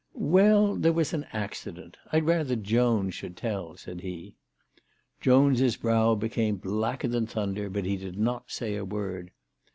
"Well, there was an accident. I'd rather Jones should tell," said he. Jones' brow became blacker than thunder, but he did not say a word.